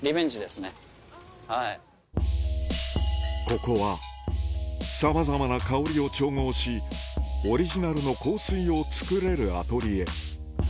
ここはさまざまな香りを調合しオリジナルの香水を作れるアトリエ